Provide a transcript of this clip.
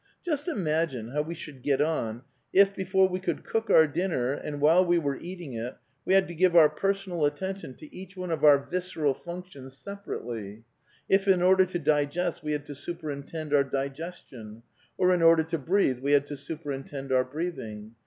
Just imagine how we should get on if, before we could cook our dinner and while we were eating it, we had to give our personal attention to each one of our visceral functions separately; if in order to digest we had to superintend our digestion, or in order to breathe we had to superintend our breathing.